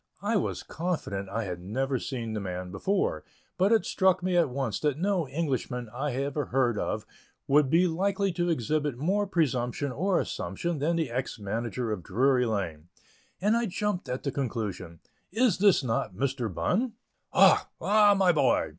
I was confident I had never seen the man before, but it struck me at once that no Englishman I ever heard of would be likely to exhibit more presumption or assumption than the ex manager of Drury Lane, and I jumped at the conclusion: "Is not this Mr. Bunn?" "Ah! Ah! my boy!"